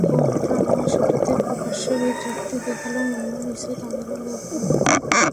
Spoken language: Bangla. বড়রা সেটাতে প্রকাশ্যে বিরক্তি দেখালেও মনে মনে নিশ্চয় তাঁদেরও লোভ হয়।